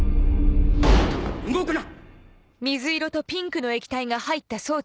動くな！